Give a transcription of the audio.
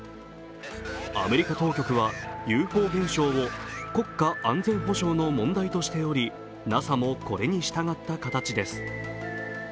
アメリカ当局はＵＦＯ現象を国家安全保障の問題としておりＮＡＳＡもこれに従った形です。